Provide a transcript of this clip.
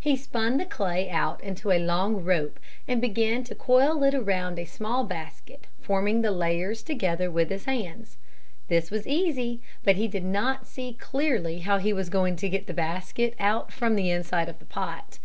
He spun the clay out into a long rope and began to coil it around a small basket forming the layers together with his hands. This was easy, but he did not see clearly how he was going to get the basket out from the inside of the pot.